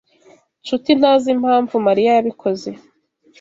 Nshuti ntazi impamvu Mariya yabikoze.